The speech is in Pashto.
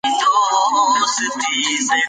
هغه غوښتل چي په هر قیمت پاچا وي.